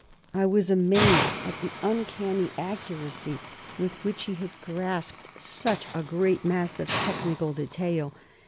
I was amazed at the uncanny accuracy with which he had grasped such a great mass of technical detail.